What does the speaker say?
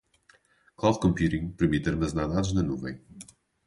Cloud Computing permite armazenar dados na nuvem.